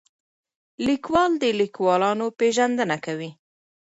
لیکوال د لیکوالانو پېژندنه کوي.